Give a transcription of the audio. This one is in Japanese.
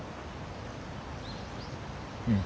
うん。